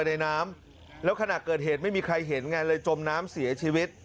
ตามโหลดสัณฑิชฐานว่าผู้ตายเนี่ยนะครับ